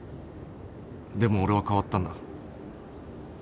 でも俺は変わったんだ。